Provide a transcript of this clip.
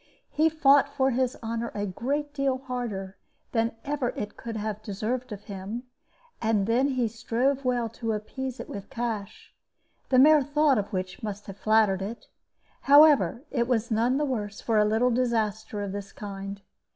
He fought for his honor a great deal harder than ever it could have deserved of him; and then he strove well to appease it with cash, the mere thought of which must have flattered it. However, it was none the worse for a little disaster of this kind.